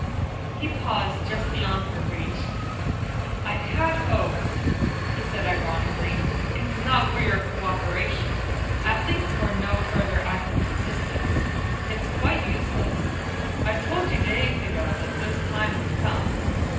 He paused just beyond her reach. "I had hoped," he said ironically, "if not for your cooperation, at least for no further active resistance. It's quite useless; I told you days ago that this time would come."